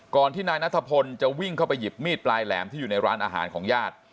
ที่นายนัทพลจะวิ่งเข้าไปหยิบมีดปลายแหลมที่อยู่ในร้านอาหารของญาติ